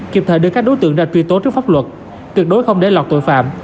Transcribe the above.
kịp thời đưa các đối tượng ra truy tố trước pháp luật tuyệt đối không để lọt tội phạm